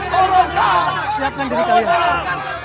turunkan uang sungsang dari tata kerajaan